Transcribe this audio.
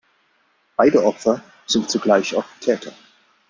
Beide Opfer sind zugleich auch Täter.